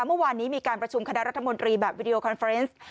เมื่อวานนี้มีการประชุมคณะรัฐมนตรีแบบวิดีโอคอนเฟอร์เนส